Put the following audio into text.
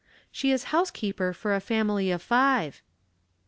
" She is housekeeper for a family of five."